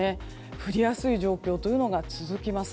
降りやすい状況というのが続きます。